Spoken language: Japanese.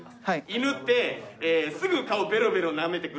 「犬ってすぐ顔ベロベロなめてくるから嫌だよね」。